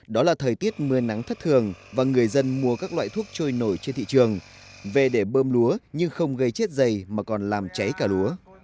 đó là thời tiết mưa nắng thất thường và người dân mua các loại thuốc trôi nổi trên thị trường về để bơm lúa nhưng không gây chết dày mà còn làm cháy cả lúa